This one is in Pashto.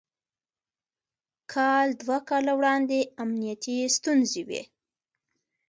کال دوه کاله وړاندې امنيتي ستونزې وې.